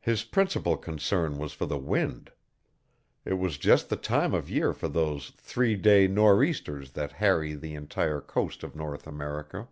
His principal concern was for the wind. It was just the time of year for those "three day" nor' easters that harry the entire coast of North America.